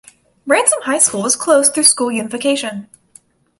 Ransom High School was closed through school unification.